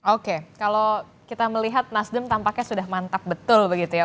oke kalau kita melihat nasdem tampaknya sudah mantap betul begitu ya